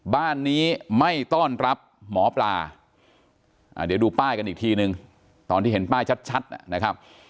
บ้านนี้ไม่ต้อนรับหมอปลาเดี๋ยวดูป้ายกันอีกทีนึงตอนที่เห็นป้ายชัดนะครับ